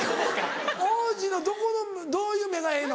央士のどこの？どういう目がええの？